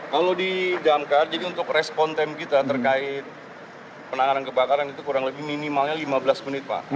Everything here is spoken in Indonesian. kalau di damkar jadi untuk respon time kita terkait penanganan kebakaran itu kurang lebih minimalnya lima belas menit pak